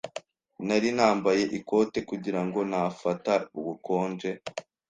Nari nambaye ikote kugira ngo ntafata ubukonje.